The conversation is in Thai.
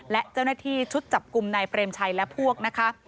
และเจ้าหน้าที่ชุดจับกลุ่มนายเปรมชัยและพวกนะคะ